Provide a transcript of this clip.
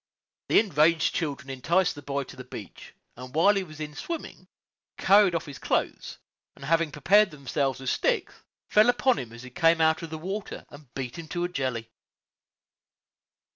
The enraged children enticed the boy to the beach, and while he was in swimming, carried off his clothes, and, having prepared themselves with sticks, fell upon him as he came out of the water, and beat him to a jelly.